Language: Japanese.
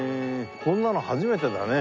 こんなの初めてだね。